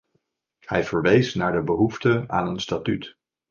Hij verwees naar de behoefte aan een statuut.